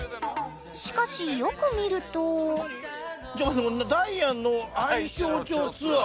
しかしよく見るとダイアンの愛荘町ツアー。